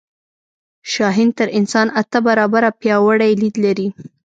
شاهین تر انسان اته برابره پیاوړی لید لري